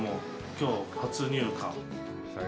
きょう初入荷。